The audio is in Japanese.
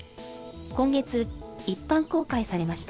今月、一般公開されました。